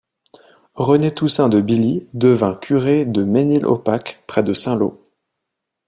René Toustain de Billy devient curé du Mesnil-Opac, près de Saint-Lô.